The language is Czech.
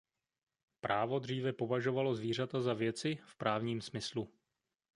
Právo dříve považovalo zvířata za věci v právním smyslu.